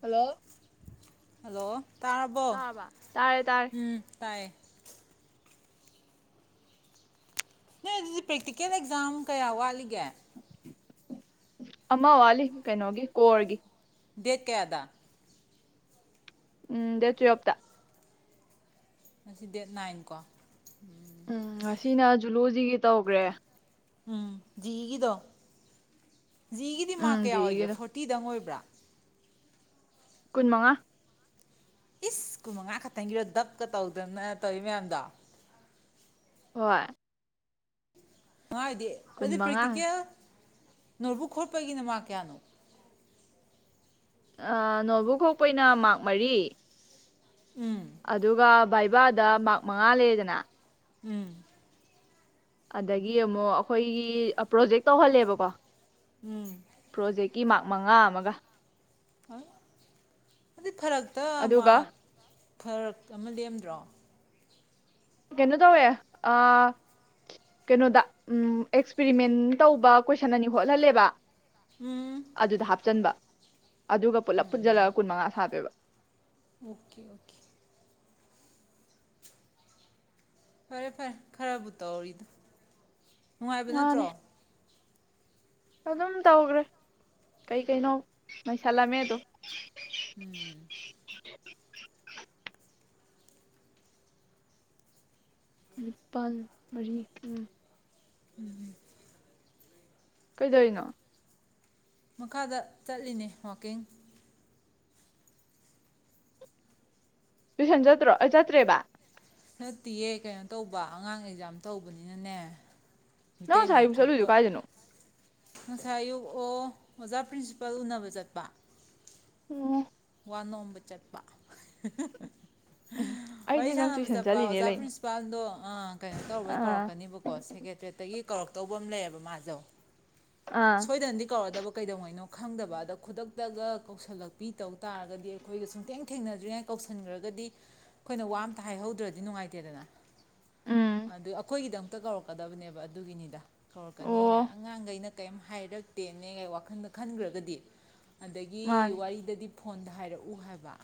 hello hello ꯇꯥꯔꯕꯣ ꯇꯥꯔꯕ ꯇꯥꯔꯦ ꯇꯥꯔꯦ ꯎꯝ ꯇꯥꯏ ꯅ ꯑꯗꯨꯗꯤ ꯄ꯭ꯔꯦꯛꯇꯤꯀꯦꯜ ꯑꯦꯛꯖꯥꯝ ꯀꯌꯥ ꯋꯥꯠꯂꯤꯒ ꯑꯃꯥ ꯋꯥꯂꯤ ꯀꯩꯅꯣꯒꯤ ꯀꯣꯔꯒꯤ ꯗꯦꯠ ꯀꯌꯥꯗꯥ ꯎꯝ ꯗꯦ ꯊ꯭ꯔꯤ ꯍꯞꯗ ꯑꯁꯤ ꯗꯦꯠ ꯅꯥꯏꯟ ꯀꯣ ꯎꯝ ꯉꯁꯤꯅ ꯖꯨꯂꯣꯖꯤꯒꯤ ꯇꯧꯈ꯭ꯔꯦ ꯎꯝ ꯤꯗꯣ ꯖꯤꯒꯤꯗꯤ ꯃꯥꯔꯛ ꯎꯝ ꯀꯌꯥ ꯑꯣꯏꯒꯦ ꯖꯤꯏꯒꯤꯗꯣ ꯐꯣꯔꯇꯤꯗꯪ ꯑꯣꯏꯕ꯭ꯔꯥ ꯀꯨꯟ ꯃꯉꯥ ꯏꯁ ꯀꯨꯟꯃꯉꯥ ꯈꯛꯇꯪꯒꯤꯔꯣ ꯗꯞꯀ ꯇꯧꯗꯅ ꯇꯧꯋꯤ ꯃꯌꯥꯝꯗꯣ ꯍꯣꯏ ꯃꯥꯗꯤ ꯀꯨꯟ ꯑꯗꯨꯗꯤ ꯃꯉꯥ ꯄꯀꯤ ꯀꯌꯥ ꯅꯠꯕꯨꯛ ꯈꯣꯠꯄꯒꯤꯅ ꯃꯥ ꯀꯌꯥꯅꯣ ꯅꯣꯠꯕꯨ ꯀꯄ ꯑꯣꯏꯅ ꯃꯥꯔꯛ ꯃꯔꯤ ꯑꯗꯨꯒ ꯥꯏ ꯕꯥꯗ ꯃꯉꯥ ꯂꯩꯔꯗꯅ ꯎꯝ ꯑꯗꯒꯤ ꯑꯃꯨꯛ ꯑꯩꯈꯣꯏꯒꯤ ꯄ꯭ꯔꯣꯖꯦꯛ ꯇꯧꯍꯜꯂꯦꯕꯀꯣ ꯎꯝ ꯏ ꯃꯥꯛ ꯃꯉꯥ ꯑꯃꯒ [inaudible] ꯑꯗꯨꯗꯤ ꯐꯔꯛꯇ ꯃꯥ ꯑꯗꯨꯒ ꯐꯔꯛ ꯑꯃ ꯂꯦꯝꯗ꯭ꯔꯣ ꯀꯩꯅꯣ ꯇꯧꯋꯦ ꯀꯩꯅꯣꯗ ꯑꯦꯛꯁꯄꯔꯤꯃꯦꯟ ꯇꯧꯕ ꯀꯣꯏꯁꯟ ꯑꯅꯤ ꯍꯣꯠꯍꯜꯂꯦꯕ ꯎꯝ ꯑꯗꯨꯗ ꯍꯥꯞꯆꯟꯕ ꯑꯗꯨꯒ ꯄꯨꯂꯞ ꯄꯨꯟꯁꯤꯜꯂꯒ ꯀꯨꯟ ꯃꯉꯥ ꯊꯥꯕꯦꯕ ꯑꯣꯀꯦ ꯑꯣꯀꯦ ꯐꯔꯦ ꯐꯔꯦ ꯈꯔꯕꯨ ꯎ ꯇ ꯑꯣꯏꯔꯤꯗ ꯅꯨꯡꯉꯥꯏꯕ ꯃꯥꯅꯦ ꯅꯠꯇ꯭ꯔꯣ ꯑꯗꯨꯝ ꯇꯧꯈ꯭ꯔꯦ ꯀꯩꯀꯩꯅꯣ ꯃꯩꯁꯜꯂꯝꯃꯦꯗꯣ ꯎꯝ ꯅꯤꯄꯥꯜ ꯃꯔꯤ ꯎꯝ ꯀꯩꯗꯧꯅꯣ ꯃꯈꯥꯗ ꯆꯠꯂꯤꯅꯦ ꯋꯀꯤꯡ ꯇꯨꯏꯁꯟ ꯆꯠꯇ꯭ꯔꯣ ꯑꯩ ꯆꯠꯇ꯭ꯔꯦꯕ ꯅꯠꯇꯦꯌꯦ ꯀꯩꯅꯣ ꯇꯧꯕ ꯑꯉꯥꯡ ꯑꯦꯛꯖꯥꯝ ꯇꯧꯕꯅꯤꯅꯅꯦ ꯅꯪ ꯃꯤꯇꯩ ꯉꯁꯥꯏ ꯃꯌꯦꯛ ꯑꯌꯨꯛ ꯆꯠꯂꯨꯏꯗꯣ ꯊꯣꯛꯄ ꯀꯥꯏꯗꯅꯣ ꯉꯁꯥꯏ ꯑꯌꯨꯣꯛ ꯑꯣ ꯑꯣꯖꯥ ꯄ꯭ꯔꯤꯟꯁꯤꯄꯥꯜ ꯎꯅꯕ ꯆꯠꯄ ꯎꯝ ꯋꯥꯅꯣꯝꯕ ꯆꯠꯄ ꯑꯩꯗꯤ ꯋꯥꯔꯤ ꯅꯪ ꯁꯥꯟꯅꯕ ꯇꯨꯏꯁꯟ ꯆꯠꯄ ꯆꯠꯂꯤꯅꯦ ꯑꯣꯖꯥ ꯂꯩꯅꯤ ꯄ꯭ꯔꯤꯟꯁꯤꯄꯥꯜꯗꯣ ꯑꯥ ꯀꯩꯅꯣ ꯇꯧꯕꯩ ꯑꯥ ꯀꯧꯔꯛꯀꯅꯤꯕꯀꯣ ꯁꯦꯀ꯭ꯔꯦꯇꯔꯤꯌꯦꯠꯇꯒꯤ ꯀꯧꯔꯛꯇꯧꯕ ꯑꯃ ꯂꯩꯌꯦꯕ ꯃꯥꯁꯣ ꯑꯥ ꯁꯣꯏꯗꯅꯗꯤ ꯀꯧꯔꯗꯕ ꯀꯩꯗꯧꯉꯩꯅꯣ ꯈꯪꯗꯕ ꯑꯗ ꯈꯨꯗꯛꯇꯒ ꯀꯧꯁꯜꯂꯛꯄꯤ ꯇꯧ ꯇꯥꯔꯒꯗꯤ ꯑꯩꯈꯣꯏꯒ ꯁꯨꯡꯊꯦꯡ ꯊꯦꯡꯅꯗ꯭ꯔꯤꯉꯩ ꯀꯧꯁꯤꯟꯈ꯭ꯔꯒꯗꯤ ꯑꯩꯈꯣꯏꯅ ꯋꯥ ꯑꯝꯇ ꯍꯥꯏꯍꯧꯗ꯭ꯔꯗꯤ ꯅꯨꯡꯉꯥꯏꯇꯦꯗꯅ ꯎꯝ ꯑꯗꯨ ꯑꯩꯈꯣꯏꯒꯤꯗ ꯑꯝꯛꯇ ꯀꯧꯔꯛꯀꯗꯕꯅꯦꯕ ꯑꯗꯨꯒꯤꯅꯤꯗ ꯑꯣ ꯀꯧꯔꯛꯀꯅꯤꯒ ꯑꯉꯥꯡꯈꯩꯩꯅ ꯀꯩꯝ ꯍꯥꯏꯔꯛꯇꯦꯅꯦꯒ ꯋꯥꯈꯜꯗ ꯈꯟꯈ꯭ꯔꯒꯗꯤ ꯑꯗꯒꯤ ꯃꯥꯅꯦ ꯋꯥꯔꯤꯗꯗꯤ ꯐꯣꯟꯗ ꯍꯥꯏꯔꯛꯎ ꯍꯥꯏꯕ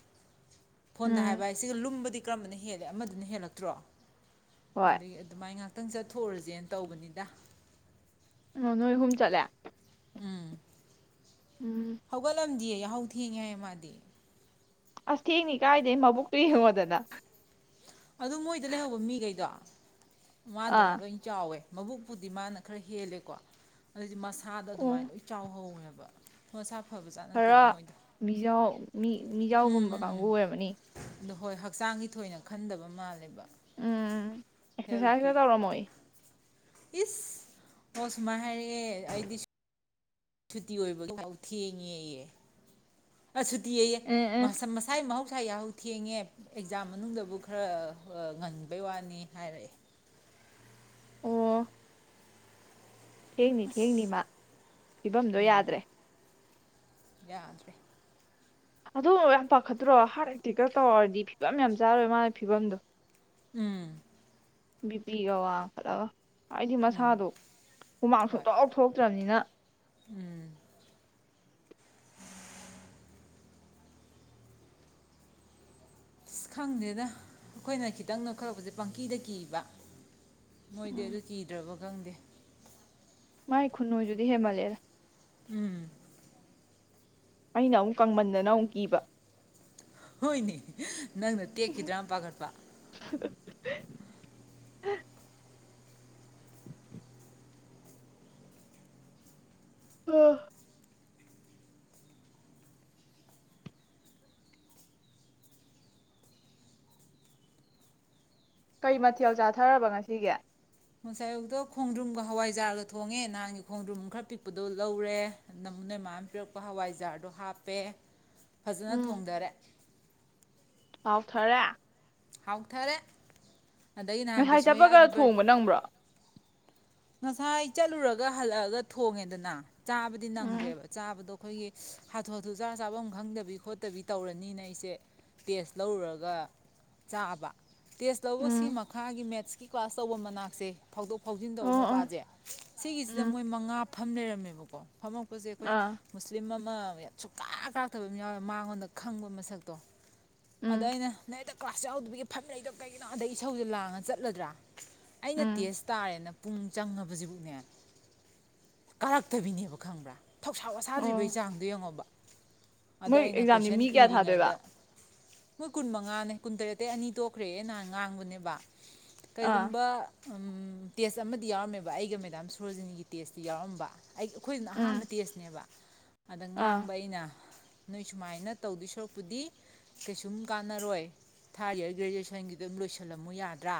ꯐꯣꯟꯗ ꯎꯝ ꯍꯥꯏꯕ ꯍꯥꯏ ꯁꯤꯒ ꯂꯨꯝꯕꯗꯤ ꯀꯔꯝꯕꯅ ꯍꯦꯜꯂꯦ ꯑꯃꯗꯅ ꯍꯦꯜꯂꯛꯇ꯭ꯔꯣ ꯍꯣꯏ ꯑꯗꯨꯗꯒꯤ ꯑꯗꯨꯃꯥꯏꯅ ꯉꯥꯛꯇ ꯈꯤꯇꯪ ꯆꯠꯊꯣꯛꯎꯔꯁꯦꯅ ꯇꯧꯕꯅꯤꯗ ꯅꯣꯏꯍꯨꯝ ꯆꯂꯦ ꯍꯧꯒꯣꯂꯝꯗꯤ ꯌꯥꯍꯧ ꯊꯤꯉꯦ ꯃꯥꯗꯤ ꯑꯁ ꯊꯦꯡꯅꯤ ꯀꯥꯏꯗꯦ ꯃꯕꯨꯛꯇꯨ ꯌꯦꯡꯉꯣꯗꯅ ꯑꯗꯨ ꯃꯣꯏꯗ ꯂꯩꯍꯧꯕ ꯃꯤꯈꯩꯗꯣ ꯑꯥ ꯃꯥꯗꯨꯅ ꯂꯣꯏ ꯆꯥꯎꯋꯦ ꯃꯕꯨꯛꯄꯨꯗꯤ ꯃꯥꯅ ꯈꯔ ꯍꯦꯜꯂꯦꯀꯣ ꯑꯗꯨꯗꯤ ꯃꯁ ꯊꯥꯗ ꯑꯣ ꯑꯗꯨꯃꯥꯏꯅ ꯂꯣꯏ ꯆꯥꯎꯍꯧꯋꯦꯕ ꯄꯁꯥ ꯈꯔ ꯃꯤꯖꯥꯎ ꯎꯝ ꯃꯤꯖꯥꯎꯒꯨꯝꯕ ꯎꯝ ꯎꯝ ꯀꯥꯡꯕꯨ ꯑꯣꯏꯔꯕꯅꯤ ꯑꯗꯣ ꯍꯣꯏ ꯍꯛꯆꯥꯡꯒꯤ ꯊꯣꯏꯅꯒ ꯈꯟꯗꯕ ꯃꯥꯜꯂꯦꯕ ꯎꯝ ꯑꯦꯛꯁꯔꯁꯥꯏꯁꯇ ꯍꯦꯜꯠꯀꯤ ꯇꯧꯔꯝꯃꯣꯏ ꯏꯁ ꯍ ꯁꯃꯥꯏ ꯍꯥꯏꯔꯦ ꯑꯩꯗꯤ ꯁꯨꯇꯤ ꯑꯣꯏꯕꯗꯐꯥꯎ ꯊꯦꯡꯉꯦꯑ ꯑꯁꯨꯇꯤꯌꯦꯌꯦ ꯎꯝ ꯎꯝ ꯃꯁꯝ ꯃꯁꯥꯏ ꯃꯍ ꯄꯩꯥ ꯌꯥꯍꯧ ꯊꯦꯡꯉꯦ ꯑꯦꯛꯖꯥꯝ ꯃꯅꯨꯡꯗꯕꯨ ꯈꯔ ꯉꯟꯕꯩ ꯋꯥꯅꯤ ꯍꯥꯏꯔꯛꯑꯦ ꯑꯣ ꯊꯦꯡꯅꯤ ꯊꯦꯡꯅꯤ ꯃꯥ ꯐꯤꯕꯝꯗꯣ ꯌꯥꯗ꯭ꯔꯦ ꯌꯥꯗ꯭ꯔꯦ ꯑꯗꯨꯒꯨꯝꯕ ꯌꯥꯝ ꯄꯥꯈꯠꯇ꯭ꯔꯣ ꯍꯥꯔꯠ ꯑꯦꯇꯦꯛꯀ ꯇꯧꯔꯛꯔꯗꯤ ꯐꯤꯕꯝ ꯌꯥꯝ ꯆꯥꯔꯣꯏ ꯃꯥꯅ ꯐꯤꯕꯝꯗꯣ ꯎꯝ ꯕꯤ ꯄꯤꯒ ꯋꯥ ꯀꯗ ꯍꯥꯏꯗꯤ ꯎꯝ ꯃꯁꯥꯗꯣ ꯍꯨꯃꯥꯡ ꯍꯣꯏ ꯁꯨꯡꯇꯥꯎ ꯊꯣꯛꯇ꯭ꯔꯕꯅꯤꯅ ꯎꯝ ꯑꯁ ꯈꯪꯗꯦꯅ ꯑꯩꯈꯣꯏꯅ ꯈꯤꯇꯪ ꯅꯈꯠꯂꯛꯄꯁꯦ ꯄꯪꯀꯤꯗ ꯀꯤꯕ ꯃꯣꯏꯗꯤ ꯑꯗꯨ ꯀꯤꯗ꯭ꯔꯕ ꯈꯪꯗꯦ ꯃꯥꯏ ꯈꯨꯟꯅꯨꯖꯗꯤ ꯍꯦꯃꯜꯂꯦꯔ ꯎꯝ ꯑꯩꯅ ꯑꯃꯨꯛ ꯀꯪꯃꯟꯗꯅ ꯑꯃꯨꯛ ꯀꯤꯕ ꯍꯣꯏꯅꯦ ꯅꯪꯅ ꯇꯦꯛꯈꯤꯗ꯭ꯔꯥ ꯑꯃ ꯄꯥꯈꯠꯄ ꯑꯣ ꯀꯩ ꯃꯊꯦꯜ ꯆꯥꯊꯔꯕ ꯉꯁꯤꯒ ꯉꯁꯥꯏꯌꯨꯗꯣ ꯈꯣꯡꯗ꯭ꯔꯨꯝꯒ ꯍꯋꯥꯏꯖꯥꯔꯒ ꯊꯣꯡꯉꯦ ꯅꯍꯥꯟꯒꯤ ꯈꯣꯡꯗ꯭ꯔꯨꯝ ꯈꯔ ꯄꯤꯛꯄꯗꯣ ꯂꯧꯔꯦ ꯅꯃꯨꯅꯩ ꯃꯥꯅ ꯄꯤꯔꯛꯄ ꯍꯋꯥꯏꯖꯥꯔꯗꯣ ꯍꯥꯞꯄꯦ ꯐꯖꯅ ꯊꯣꯡꯊꯔꯦ ꯄꯥꯎꯊꯔꯦ ꯍꯧꯥꯎꯊꯔꯦ ꯉꯁꯥꯏ ꯆꯠꯄꯒ ꯊꯣꯡꯕ ꯅꯪꯕ꯭ꯔꯣ ꯉꯁꯥꯏ ꯆꯠꯂꯨꯔꯒ ꯍꯜꯂꯛꯑꯒ ꯊꯣꯡꯉꯦꯗꯅ ꯆꯥꯕꯗꯤ ꯎꯝ ꯅꯪꯗ꯭ꯔꯦꯕ ꯆꯥꯕꯗꯣ ꯑꯩꯈꯣꯏꯒꯤ ꯍꯥꯊꯨ ꯍꯥꯊꯨ ꯆꯥ ꯆꯥꯐꯝ ꯈꯪꯗꯕꯤ ꯈꯣꯠꯇꯕꯤ ꯇꯧꯔꯅꯤꯅ ꯑꯩꯁꯦ ꯇꯦꯁ ꯂꯧꯔꯨꯔꯒ ꯆꯥꯕ ꯇꯦꯁ ꯂꯧꯕ ꯁꯤ ꯎꯝ ꯃꯈꯥꯒꯤ ꯃꯦꯠꯁꯀꯤ ꯀ꯭ꯂꯥꯁ ꯇꯧꯕ ꯃꯅꯥꯛꯁꯦ ꯐꯥꯎꯗꯣꯛ ꯐꯥꯎꯖꯤꯟꯗꯧꯕ ꯑꯣ ꯑꯣ ꯑꯃ ꯁꯤꯒꯤꯁꯤꯗ ꯎꯝ ꯃꯣꯏ ꯃꯉꯥ ꯞꯐꯝꯝ ꯂꯩꯔꯝꯃꯦꯕꯀꯣ ꯐꯝ ꯄꯖꯦ ꯑꯩꯈꯣꯏ ꯑꯥ ꯃꯨꯁꯂꯤꯝ ꯑꯝ ꯑꯃ ꯁꯨꯀꯥ ꯀꯥꯇꯕ ꯑꯃ ꯌꯥꯎꯋꯦ ꯃꯉꯣꯟꯗ ꯈꯪꯕ ꯃꯁꯛꯇꯣ ꯎꯝ ꯑꯗꯥꯏꯩꯅ ꯀ꯭ꯂꯥꯁ ꯌꯥꯎꯗꯕꯒꯤ ꯐꯝ ꯂꯩꯗꯣ ꯀꯩꯒꯤꯅꯣ ꯑꯗꯩ ꯏꯁꯧꯁꯦ ꯂꯥꯡꯉꯒ ꯆꯠꯂꯗ꯭ꯔꯥ ꯑꯩꯅ ꯎꯝ ꯇꯦꯖ ꯇꯥꯔꯦꯅ ꯄꯨꯡ ꯆꯪꯉꯕꯁꯤꯕꯨꯛꯅꯦ ꯀꯥꯔꯛꯇꯕꯤꯅꯦꯕ ꯈꯪꯕ꯭ꯔꯥ ꯊꯧꯁꯥ ꯋꯥꯁꯥꯗ꯭ꯔꯤꯕꯩ ꯑꯣ ꯆꯥꯡꯗꯨꯣ ꯌꯦꯡꯉꯣꯕ ꯑꯗ ꯃꯣꯏ ꯑꯩꯅ ꯑꯦꯛꯖꯥꯝꯅꯤ ꯀꯣꯏꯁꯟ ꯃꯤ ꯀꯌꯥ ꯊꯥꯗꯣꯏꯕ ꯏꯔꯤꯉꯩꯗ ꯃꯣꯏ ꯀꯨꯟ ꯃꯉꯥꯅꯦ ꯀꯨꯟꯇꯔꯦꯠꯇꯩ ꯑꯅꯤ ꯇꯣꯛꯈ꯭ꯔꯦ ꯅꯍꯥꯟ ꯉꯥꯡꯕꯅꯦꯕ ꯑꯥ ꯀꯩꯒꯨꯝꯕ ꯎꯝ ꯇꯦꯖ ꯑꯝ ꯌꯥꯎꯔꯝꯃꯦꯕ ꯑꯩꯒ ꯃꯦꯗꯥꯝ ꯁꯣꯔꯣꯖꯤꯅꯤꯒꯤ ꯇꯦꯁꯇꯤ ꯌꯥꯎꯔꯝꯕ ꯑꯩ ꯑꯩꯈꯣꯏꯗꯨꯅ ꯑꯍꯥꯟꯕ ꯎꯝ ꯇꯦꯖꯅꯦꯕ ꯑꯗ ꯑꯥ ꯉꯥꯡꯕ ꯑꯩꯅ ꯅꯣꯏ ꯁꯨꯃꯥꯏꯅ ꯇꯧꯗꯣꯏ ꯁꯣꯔꯛꯄꯨꯗꯤ ꯀꯩꯁꯨꯝ ꯀꯥꯟꯅꯔꯣꯏ ꯊꯥꯔꯠ ꯏꯔ ꯒ꯭ꯔꯦꯖꯨꯋꯦꯁꯟꯒꯤꯗ ꯑꯗꯨꯝ ꯂꯣꯏꯁꯤꯜꯂꯝꯃꯨ ꯌꯥꯗ꯭ꯔꯥ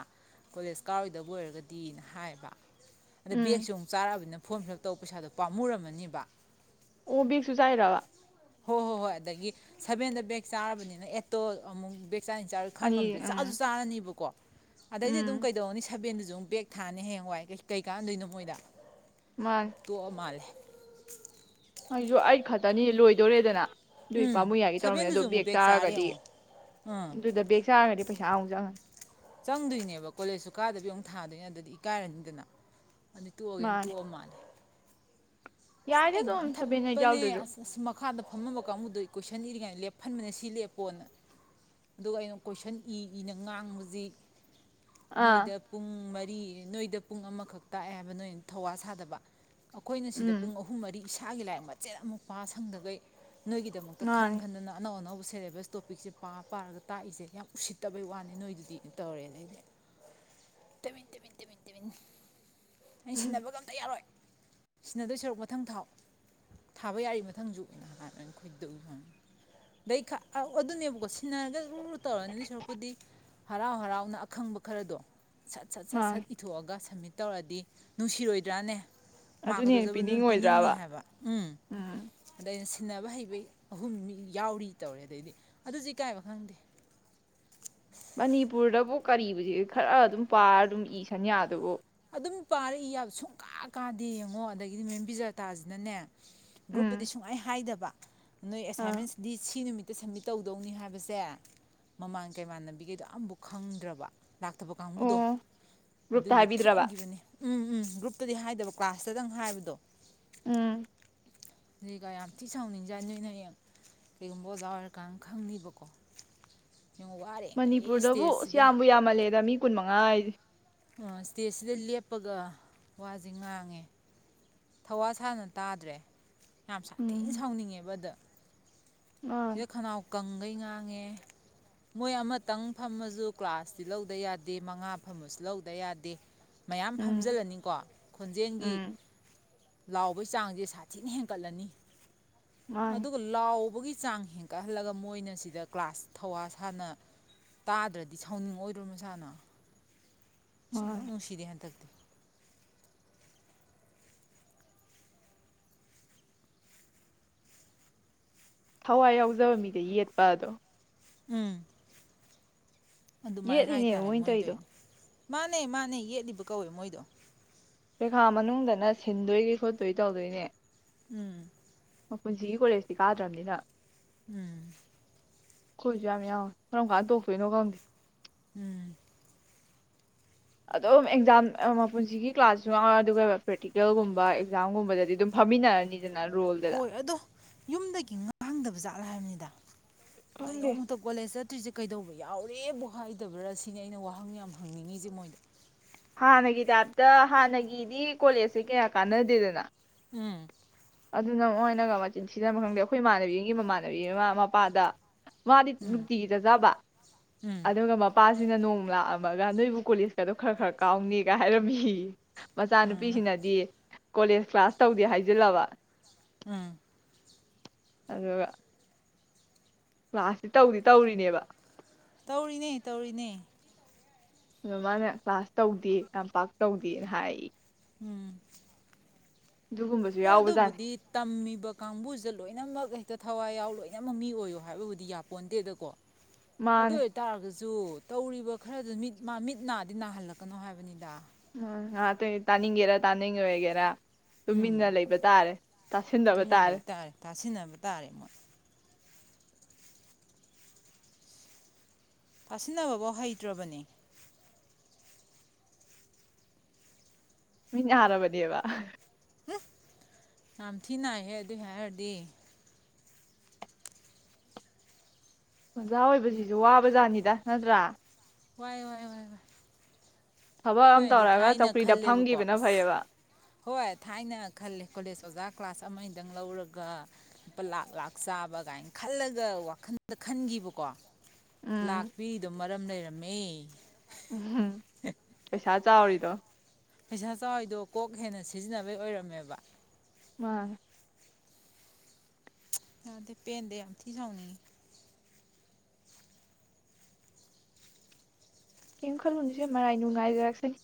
ꯀꯣꯂꯦꯖ ꯀꯥꯎꯔꯣꯏꯗꯕ ꯑꯣꯏꯔꯒꯗꯤꯅ ꯍꯥꯏꯕ ꯑꯗ ꯎꯝ ꯕꯒꯁꯨ ꯑꯃꯨꯛ ꯆꯥꯛꯑꯅꯤꯅ ꯐꯣꯝ ꯐꯤꯜ ꯑꯞ ꯇꯧꯕ ꯄꯩꯁꯥꯗꯣ ꯄꯥꯝꯃꯨꯔꯝꯃꯅꯤꯕ ꯑꯣ ꯕꯦꯛꯁꯨ ꯆꯥꯏꯔꯕ ꯍꯣꯏ ꯍꯣꯏ ꯍꯣꯏ ꯑꯗꯒꯤ ꯁꯚꯦꯟꯗ ꯕꯦꯛ ꯆꯥꯔꯕꯅꯤꯅ ꯑꯦꯇꯣ ꯑꯃꯨꯛ ꯕ ꯆꯅꯤ ꯆꯥꯔꯣꯏ ꯑꯅꯤ ꯈꯪꯉꯝꯗ꯭ꯔꯦ ꯆꯥꯁꯨ ꯎꯝ ꯆꯥꯔꯅꯤꯕꯀꯣ ꯑꯗꯩꯗꯤ ꯑꯗꯨꯝ ꯎꯝ ꯀꯩꯗꯧꯅꯤ ꯁꯕꯦꯟ ꯕꯦꯛꯒ ꯊꯥꯅꯤ ꯍꯦꯛ ꯍꯋꯥꯏ ꯀꯩ ꯀꯥꯟꯗꯣꯏꯅꯣ ꯃꯣꯏꯗ ꯃꯥꯅꯦ ꯇꯣꯛꯑ ꯃꯥꯜꯂꯦ [inaudible] ꯑꯩꯁꯨ ꯑꯩ ꯈꯛꯇꯅꯤ ꯂꯣꯏꯗꯣꯔꯦꯗꯅ ꯑꯗꯨ ꯎꯝ ꯄꯥꯝꯃꯨꯏ ꯌꯥꯒꯤ ꯇꯧꯔꯝꯃꯤꯅꯤ ꯑꯗꯨ ꯁꯚꯦꯟꯗꯨꯁꯨ ꯑꯃꯨꯛ ꯕꯦꯛ ꯆꯥꯔꯦ ꯆꯥꯔꯒꯗꯤ ꯌꯦꯡꯉꯣ ꯑꯥ ꯑꯗꯨꯗ ꯕꯦꯛ ꯆꯥꯔꯒꯗꯤ ꯄꯩꯁꯥ ꯑꯃꯨꯛ ꯆꯪꯉꯅꯤ ꯆꯪꯗꯣꯏꯅꯦꯕ ꯀꯣꯂꯦꯖꯁꯨ ꯀꯥꯗꯕꯤ ꯑꯃꯨꯛ ꯊꯥꯗꯣꯏꯅꯦ ꯑꯗꯨꯗꯤ ꯏꯀꯥꯏꯔꯅꯤꯗꯅ ꯑ ꯇꯣꯛꯑꯒꯦꯅ ꯇꯣꯛꯑ ꯃꯥꯜꯂꯦ ꯑꯁ ꯌꯥꯔꯦ ꯑꯩ ꯑꯗꯨꯝ ꯁꯕꯦꯟ ꯑꯦꯇ ꯉꯥꯡꯊꯠꯄꯅꯦ ꯌꯥꯎꯗ꯭ꯔꯁꯨ ꯑꯁ ꯑꯁ ꯃꯈꯥꯗ ꯐꯝꯃꯝꯕ ꯀꯥꯡꯕꯨꯗꯨꯣ ꯑꯩ ꯀꯣꯏꯁꯟ ꯏꯔꯤꯉꯥꯏꯗ ꯂꯦꯞꯐꯟꯕꯅ ꯁꯤ ꯂꯦꯞꯄꯣꯅ ꯑꯗꯨꯒ ꯑꯩꯅ ꯀꯣꯏꯁꯟ ꯏ ꯏꯅ ꯉꯥꯡꯕꯁꯤ ꯑꯥ ꯅꯣꯏꯗ ꯄꯨꯡ ꯃꯔꯤ ꯅꯣꯏꯗ ꯄꯨꯡ ꯑꯃꯈꯛ ꯇꯥꯛꯑꯦ ꯍꯥꯏꯕ ꯅꯣꯏꯅ ꯊꯧꯋꯥ ꯁꯥꯗꯕ ꯑꯩꯈꯣꯏꯅ ꯁꯤꯗ ꯎꯝ ꯑꯍꯨꯝ ꯃꯔꯤ ꯏꯁꯥꯒꯤ ꯂꯥꯏꯔꯤꯛ ꯃꯆꯦꯠ ꯑꯃꯨꯛ ꯄꯥ ꯁꯪꯗꯈꯩ ꯅꯣꯏꯒꯤꯗꯃꯛꯇ ꯈꯟ ꯃꯥꯅꯦ ꯈꯟꯗꯨꯅ ꯑꯅꯎ ꯑꯅꯥꯎꯕ ꯁꯦꯂꯦꯕꯁ ꯇꯣꯄꯤꯛꯁꯦ ꯄꯥ ꯄꯥꯔꯒ ꯇꯥꯛꯏꯁꯦ ꯌꯥꯝ ꯎꯁꯤꯠꯇꯕꯩ ꯋꯥꯅꯤ ꯅꯣꯏꯗꯨꯗꯤ ꯇꯧꯔꯦꯅꯦ ꯑꯩꯁꯦ ꯅ ꯁꯤꯟꯅꯕꯒ ꯑꯝꯇ ꯌꯥꯔꯣꯏ ꯁꯤꯟꯅꯗꯣꯏ ꯁꯔꯨꯛ ꯃꯊꯪ ꯊꯥꯎ ꯊꯥꯕ ꯌꯥꯔꯤ ꯃꯊꯪꯁꯨ ꯈꯣꯏꯗꯣꯛꯪ ꯑꯗꯩ ꯑꯗꯨꯅꯦꯕꯀꯣ ꯁꯤꯟꯅꯔꯒ ꯂ ꯇꯧꯔꯅꯤ ꯑꯗꯨꯏ ꯁꯔꯨꯛꯄꯨꯗꯤ ꯍꯔꯥꯎ ꯍꯔꯥꯎꯅ ꯑꯈꯪꯕ ꯈꯔꯗꯣ ꯁꯠ ꯁꯠ ꯁꯠ ꯁꯠ ꯃꯥꯅꯦ ꯏꯊꯣꯛꯑꯒ ꯁꯝꯃꯤꯠ ꯇꯧꯔꯗꯤ ꯅꯨꯡꯁꯤꯔꯣꯏꯗ꯭ꯔꯥꯅꯦ ꯑꯗꯨꯗ ꯗꯖꯕ ꯅꯣꯏ ꯄꯤꯅꯤꯡꯅꯤ ꯍꯥꯏꯕ ꯎꯝ ꯑꯗ ꯑꯩꯅ ꯁꯤꯟꯅꯕ ꯍꯩꯕꯩ ꯑꯍꯨꯝ ꯃꯤ ꯌꯥꯎꯔꯤ ꯇꯧꯔꯦ ꯑꯗꯩꯗꯤ ꯑꯗꯨꯗꯤ ꯏ ꯀꯥꯏꯕ ꯈꯪꯗꯦ ꯃꯅꯤꯄꯨꯔꯗꯕꯨ ꯀꯔꯤꯕꯨꯁꯤ ꯈꯔ ꯑꯗꯨꯝ ꯄꯥꯔ ꯑꯗꯨꯝ ꯏ ꯁꯟꯌꯥꯗꯨꯕꯨ ꯑꯗꯨꯝ ꯄꯥꯔꯛꯏ ꯁꯨꯡꯀꯥ ꯀꯥꯗꯦ ꯌꯦꯡꯉꯣ ꯑꯗꯒꯤꯗꯤ ꯃꯦꯝ ꯕꯤꯖꯥꯇꯥꯁꯤꯅꯅꯦ ꯒ꯭ꯔꯨꯞꯇꯨꯗꯤ ꯎꯝ ꯁꯨꯡꯃꯥꯏ ꯍꯥꯏꯗꯕ ꯅꯣꯏ ꯑꯥ ꯑꯦꯁꯥꯏꯟꯃꯦꯟꯁꯗꯤ ꯁꯤ ꯅꯨꯃꯤꯠ ꯍꯦꯛꯇ ꯁꯝꯃꯤꯠ ꯇꯧꯗꯧꯅꯤ ꯍꯥꯏꯕꯁꯦ ꯃꯃꯥꯡꯒꯩ ꯃꯥꯟꯅꯕꯤꯒꯩꯗꯣ ꯑꯝꯐꯥꯎ ꯈꯪꯗ꯭ꯔꯕ ꯂꯥꯛꯇꯕ ꯀꯥꯡꯕꯨꯗꯣ ꯑꯣ ꯒ꯭ꯔꯨꯞꯇ ꯑꯗꯨꯒꯤ ꯍꯥꯏꯕꯤꯗ꯭ꯔꯕ ꯊꯦꯡꯍꯈꯤꯕꯅꯤ ꯎꯝ ꯎꯝ ꯒ꯭ꯔꯨꯞꯇꯗꯤ ꯍꯥꯏꯗꯕ ꯀ꯭ꯂꯥꯁꯇꯗꯪ ꯍꯥꯏꯕꯗꯣ ꯎꯝ ꯂꯤꯀ ꯌꯥꯝ ꯊꯤ ꯁꯥꯎꯅꯤꯡꯖ ꯅꯣꯏꯅ ꯍꯌꯦꯡ ꯀꯩꯒꯨꯝꯕ ꯑꯣꯖꯥ ꯑꯣꯏꯔꯀꯥꯟ ꯈꯪꯅꯤꯕꯀꯣ ꯌꯦꯡꯉꯣ ꯋꯥꯔꯤꯈꯩ ꯃꯅꯤꯄꯨꯔꯗꯕꯨ ꯏꯁꯇꯦꯖꯁꯤꯗ ꯌꯥꯝꯕꯨ ꯌꯥꯝꯃꯜꯂꯦꯗ ꯃꯤ ꯀꯨꯟ ꯃꯉꯥ ꯏꯁꯇꯦꯖꯁꯤꯗ ꯂꯦꯞꯄꯒ ꯋꯥꯁꯦ ꯉꯥꯡꯉꯦ ꯊꯋꯥ ꯁꯥꯅ ꯇꯥꯗ꯭ꯔꯦ ꯌꯥꯝ ꯁꯥꯊꯤꯅ ꯎꯝ ꯁꯥꯎꯅꯤꯡꯉꯦꯕ ꯑꯗꯣ ꯃꯥꯅꯦ ꯁꯤꯗ ꯈꯅꯥꯎ ꯀꯪꯈꯩ ꯉꯥꯡꯉꯦ ꯃꯣꯏ ꯑꯃꯇꯪ ꯐꯝꯃꯁꯨ ꯀ꯭ꯂꯥꯁꯇꯤ ꯂꯧꯗ ꯌꯥꯗꯦ ꯃꯉꯥ ꯐꯝꯃꯁꯨ ꯂꯧꯗ ꯌꯥꯗꯦ ꯃꯌꯥꯝ ꯎꯝ ꯐꯝꯖꯤꯜꯂꯅꯤꯀꯣ ꯈꯣꯟꯖꯦꯜꯒꯤ ꯎꯝ ꯂꯥꯎꯕꯩ ꯆꯥꯡꯁꯦ ꯁꯥꯊꯤꯅ ꯍꯦꯟꯀꯠꯂꯅꯤ ꯃꯥꯅꯦ ꯑꯗꯨꯒ ꯂꯥꯎꯕꯒꯤ ꯆꯥꯡ ꯍꯦꯟꯀꯠꯍꯜꯂꯒ ꯃꯣꯏꯅ ꯁꯤꯗ ꯀ꯭ꯂꯥꯁ ꯊꯧꯋꯥ ꯁꯥꯅ ꯇꯥꯗ꯭ꯔꯗꯤ ꯁꯥꯎꯅꯤꯡꯉꯏꯗꯣ ꯃꯁꯥꯅ ꯁꯨꯡ ꯃꯥꯅꯦ ꯅꯨꯡꯁꯤꯗꯦ ꯍꯟꯗꯛꯇꯤ ꯊꯋꯥꯏ ꯌꯥꯎꯖꯕ ꯃꯤꯗ ꯌꯦꯠꯄ ꯑꯗꯣ ꯎꯝ ꯑꯗꯨꯃꯥꯏ ꯌꯦꯠꯂꯤꯅꯦ ꯍꯥꯏꯇꯥꯔꯦ ꯃꯣꯏꯅ ꯇꯧꯔꯤꯗꯣ ꯃꯣꯏꯇꯩꯗꯣ ꯃꯥꯅꯦ ꯃꯥꯅꯦ ꯌꯦꯠꯂꯤꯕ ꯀꯧꯋꯦ ꯃꯣꯏꯗꯣ ꯄꯩꯈꯥ ꯃꯅꯨꯡꯗꯅ ꯁꯤꯟꯗꯣꯏꯒꯤ ꯈꯣꯠꯇꯣꯏ ꯇꯧꯗꯣꯏꯅꯦ ꯎꯝ ꯃꯄꯨꯟꯁꯤꯒꯤ ꯀꯣꯂꯦꯁꯇꯤ ꯀꯥꯗ꯭ꯔꯝꯅꯤꯅ ꯎꯝ ꯑꯩꯈꯣꯏꯖꯨ ꯌꯥꯝ ꯌꯥꯎꯏ ꯀꯔꯝ ꯀꯥꯟ ꯇꯣꯛꯇꯣꯏꯅꯣ ꯈꯪꯗꯦ ꯎꯝ ꯑꯗꯨꯝ ꯑꯦꯛꯖꯥꯝ ꯑꯃ ꯃꯄꯨꯟꯁꯤꯒꯤ ꯀ꯭ꯂꯥꯁ ꯁꯨꯡꯌꯥꯎ ꯑꯗꯨꯒ ꯄ꯭ꯔꯦꯛꯇꯤꯀꯦꯜꯒꯨꯝꯕ ꯑꯦꯛꯖꯥꯝꯒꯨꯝꯕꯗꯗꯤ ꯑꯗꯨꯝ ꯐꯝꯃꯤꯟꯅꯔꯅꯤ ꯅ ꯔꯣꯜꯗꯔ ꯍꯣꯏ ꯑꯗꯣ ꯌꯨꯝꯗꯒꯤ ꯉꯥꯡꯗꯕꯥꯖꯥꯠꯂ ꯍꯥꯏꯕꯅꯤꯗ ꯀꯩ ꯈꯪꯗꯦ ꯅꯣꯡꯃꯇꯥ ꯀꯣꯂꯦꯁ ꯆꯠ ꯆꯇ꯭ꯔꯤꯁꯦ ꯀꯩꯗꯧꯕ ꯌꯥꯎꯔꯦꯕꯣꯛ ꯍꯥꯏꯗꯕ꯭ꯔꯥ ꯁꯤꯅꯤ ꯑꯩꯅ ꯋꯥꯍꯪ ꯌꯥꯝ ꯍꯪꯅꯤꯡꯉꯤꯁꯦ ꯃꯣꯏꯗ ꯍꯥꯟꯅꯒꯤ ꯇꯥꯏꯞꯇ ꯍꯥꯟꯅꯒꯤꯗꯤ ꯀꯣꯂꯦꯖꯁꯦ ꯀꯌꯥ ꯀꯥꯅꯗꯦꯗꯅ ꯎꯝ ꯑꯗꯨꯅ ꯃꯣꯏꯅꯒ ꯃꯆꯤꯟ ꯊꯤꯔꯃꯕꯔ ꯈꯪꯗꯦ ꯑꯩꯈꯣꯏ ꯏꯃꯥꯟꯅꯕꯤꯝꯒꯤ ꯃꯃꯥꯟꯅꯕꯤ ꯑꯃ ꯃꯄꯥꯗ ꯃꯥꯗꯤ ꯎꯝ ꯅꯨꯡꯇꯤꯒꯤ ꯆꯠꯆꯕ ꯎꯝ ꯑꯗꯨꯒ ꯃꯞ ꯃꯄꯥꯁꯤꯅ ꯅꯣꯡꯃꯥ ꯂꯥꯛꯑꯝꯃꯒ ꯅꯣꯏꯕꯨ ꯀꯣꯂꯦꯖꯀꯗꯣ ꯈꯔ ꯈꯔ ꯀꯥꯎꯅꯦꯒ ꯍꯥꯏꯔꯝꯃꯦꯌꯦ ꯎꯝ ꯃꯆꯥꯅꯨꯄꯤꯁꯤꯅꯗꯤ ꯀꯣꯂꯦꯖ ꯀ꯭ꯂꯥꯁ ꯇꯧꯗꯦ ꯍꯥꯏꯖꯜꯂꯕ ꯎꯝ ꯑꯗꯨꯒ ꯀ꯭ꯂꯥꯁꯇꯤ ꯇꯧꯗꯤ ꯇꯧꯔꯤꯅꯦꯕ ꯇꯧꯔꯤꯅꯦ ꯇꯧꯔꯤꯅꯦ ꯑꯗꯣ ꯃꯥꯅ ꯀ꯭ꯂꯥꯁ ꯇꯧꯗꯦ ꯌꯥꯝꯄꯥꯛ ꯇꯧꯗꯦ ꯍꯥꯏ ꯎꯝ ꯑꯗꯨꯒꯨꯝꯕꯁꯨ ꯍꯣꯏ ꯌꯥꯎꯕꯖꯥꯠꯅꯤ ꯑꯗꯨꯕꯨꯗꯤ ꯇꯝꯃꯤꯕ ꯀꯥꯡꯕꯨꯖꯦ ꯂꯣꯏꯅꯃꯛ ꯍꯦꯛꯇ ꯊꯋꯥꯏ ꯌꯥꯎ ꯂꯣꯏꯅꯃꯛ ꯃꯤ ꯑꯣꯏꯌꯣ ꯍꯥꯏꯕꯕꯨꯗꯤ ꯌꯥꯄꯣꯟꯇꯦꯗꯀꯣ ꯑꯗꯨ ꯃꯥꯅꯦ ꯑꯣꯏꯇꯥꯔꯒꯁꯨ ꯁꯨ ꯇꯧꯔꯤꯕ ꯈꯔꯗꯨ ꯃꯤꯠ ꯃꯥ ꯃꯤꯠ ꯅꯥꯗꯤ ꯅꯥꯍꯜꯂꯛꯀꯅꯣ ꯍꯥꯏꯕꯅꯤꯗ ꯑ ꯇꯥꯅꯤꯡꯒꯦꯔ ꯇꯥꯅꯤꯡꯒꯦꯔ [inaudible] ꯇꯨꯃꯤꯟꯅ ꯎꯝ ꯂꯩꯕ ꯇꯥꯔꯦ ꯇꯥꯁꯤꯟꯗꯕ ꯇꯨꯃꯤꯟꯅ ꯇꯥꯔꯦ ꯂꯩ ꯇꯥꯁꯤꯟꯅꯕ ꯇꯥꯔꯦ ꯃꯣꯏ ꯇꯥꯁꯤꯟꯅꯕꯕꯧ ꯍꯩꯇ꯭ꯔꯕꯅꯦ ꯃꯤꯠ ꯅꯥꯔꯕꯅꯦꯕ ꯎꯃ ꯌꯥꯝ ꯊꯤ ꯅꯥꯏꯍꯦ ꯑꯗꯨꯏ ꯍꯥꯏꯔꯨꯔꯗꯤ ꯑꯣꯖꯥ ꯑꯣꯏꯕꯁꯤꯁꯨ ꯋꯥꯕꯖꯥꯠꯅꯤꯗ ꯅꯠꯇ꯭ꯔꯥ ꯋꯥꯏ ꯋꯥꯏ ꯋꯥꯏ ꯋꯥꯏ ꯊꯕꯛ ꯑꯃ ꯑꯩꯈꯣꯏꯅꯗꯤ ꯇꯧꯔꯒ ꯊꯥꯏꯅ ꯆꯧꯀ꯭ꯔꯤꯗ ꯈꯜꯂꯦꯕꯀꯣ ꯐꯝꯈꯤꯕꯅ ꯑꯁ ꯐꯩꯌꯦꯕ ꯍꯣꯏ ꯊꯥꯏꯅ ꯈꯜꯂꯦ ꯀꯣꯂꯦꯖ ꯑꯣꯖꯥ ꯀ꯭ꯂꯥꯁ ꯑꯃꯅꯤꯗꯪ ꯂꯧꯔꯒ ꯂꯨꯄꯥ ꯂꯥꯛ ꯂꯥꯛ ꯆꯥꯕ ꯒꯥꯏꯅ ꯈꯜꯂꯒ ꯋꯥꯈꯞꯗ ꯈꯟꯈꯤꯕꯀꯣ ꯎꯝ ꯂꯥꯛꯄꯤꯗꯣ ꯃꯔꯝ ꯂꯩꯔ ꯃꯦ ꯄꯩꯁꯥ ꯆꯥꯎꯔꯤꯗꯣ ꯄꯩꯁꯥ ꯆꯥꯎꯏꯗꯣ ꯀꯣꯛ ꯍꯦꯟꯅ ꯁꯤꯖꯤꯟꯅꯕꯩ ꯑꯣꯏꯔꯝꯃꯦꯕ ꯃꯥꯅꯦ ꯑꯗꯤ ꯄꯦꯟꯗ ꯌꯥꯝꯊꯤ ꯁꯥꯎꯅꯤꯡꯉꯤ ꯀꯩꯝ ꯈꯜꯂꯨꯅꯨꯁꯦ ꯃꯔꯥꯏ ꯅꯨꯡꯉꯥꯏꯖꯔꯛꯁꯅꯤ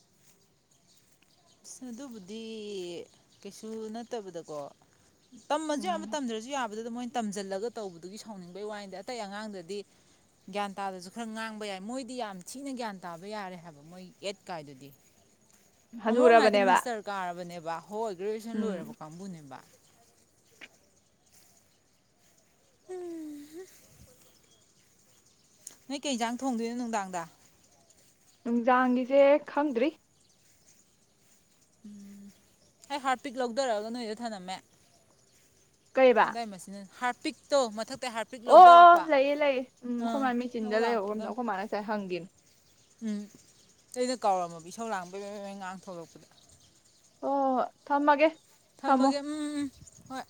ꯑꯁ ꯑꯗꯨꯕꯨꯗꯤ ꯀꯩꯁꯨ ꯅꯠꯇꯕꯗꯀꯣ ꯇꯝꯃꯖꯨ ꯌꯥꯝꯕ ꯎꯝ ꯇꯝꯗ꯭ꯔꯖꯤ ꯌꯥꯕ ꯑꯗꯨꯗꯨꯗ ꯃꯣꯏꯅ ꯇꯝꯖꯜꯂꯒ ꯇꯧꯕꯗꯨꯒꯤ ꯁꯥꯎꯅꯤꯡꯕꯩ ꯋꯥꯅꯤꯗꯤ ꯑꯇꯩ ꯑꯉꯥꯡꯗꯗꯤ ꯒ꯭ꯌꯥꯟ ꯇꯥꯗꯔꯁꯨ ꯈꯔ ꯉꯥꯡꯕ ꯌꯥꯏ ꯃꯣꯏꯗꯤ ꯌꯥꯝ ꯊꯤꯅ ꯒ꯭ꯌꯥꯟ ꯇꯥꯕ ꯌꯥꯔꯦ ꯍꯥꯏꯕ ꯃꯣꯏ ꯑꯦꯠ ꯀꯥꯏꯗꯨꯗꯤ ꯑꯃꯔꯣꯝ ꯍꯥꯏꯗꯤ ꯍꯅꯨꯔꯕꯅꯦꯕ ꯃꯁꯇꯔ ꯀꯥꯔꯕꯅꯦꯕ ꯍꯣꯏ ꯒ꯭ꯔꯦꯖꯨꯌꯦꯁꯟ ꯎꯝ ꯂꯣꯏꯔꯕ ꯀꯥꯡꯕꯨꯅꯦꯕ ꯎꯝ ꯍꯝ ꯅꯣꯏ ꯀꯩ ꯏꯟꯖꯥꯡ ꯊꯣꯡꯗꯣꯏꯅꯣ ꯅꯨꯡꯗꯥꯡꯗ ꯅꯨꯡꯗꯥꯡꯒꯤꯖꯦ ꯈꯪꯗ꯭ꯔꯤ ꯎꯝ ꯑꯩ ꯍꯥꯔꯠ ꯄꯤꯛ ꯂꯧꯗꯔꯒ ꯅꯣꯏꯗ ꯊꯥꯅꯝꯃꯦ ꯀꯩꯕ ꯗꯥꯏꯃꯁꯤꯅ ꯍꯥꯠ ꯄꯤꯛꯇꯣ ꯃꯊꯛ ꯑꯣ ꯑꯣ ꯂꯩꯌꯦ ꯂꯩꯌꯦ ꯎꯝ ꯑꯩꯈꯣꯏ ꯑꯥ ꯃꯥꯏ ꯂꯧ ꯃꯦꯆꯤꯟꯗ ꯂꯩꯍꯧꯔꯝꯅꯣ ꯂꯥꯛꯀꯗꯝ ꯑꯩꯈꯣꯏ ꯃꯥꯅ ꯉꯁꯥꯏ ꯍꯪꯒꯤꯝꯅꯤ ꯎꯝ ꯑꯩꯅ ꯀꯥꯎꯔꯝꯃꯕ ꯏꯁꯧ ꯂꯥꯡꯕꯩ ꯕꯦ ꯕꯦꯡ ꯉꯥꯡꯉꯥ ꯊꯣꯛꯂꯛꯄꯗ ꯑꯣ ꯊꯝꯃꯒꯦ ꯊꯝꯃꯣ ꯊꯝꯃꯒꯦ ꯎꯝ ꯎꯝ ꯎꯝ ꯍꯣꯏ